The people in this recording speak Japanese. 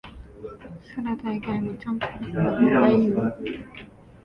サラダ以外もちゃんと食べた方がいいよ